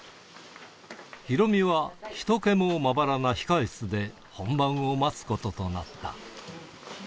ヒロミは人けもまばらな控室で、本番を待つこととなった。